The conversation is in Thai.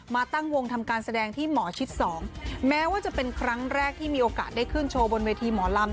ตั้งวงทำการแสดงที่หมอชิดสองแม้ว่าจะเป็นครั้งแรกที่มีโอกาสได้ขึ้นโชว์บนเวทีหมอลำ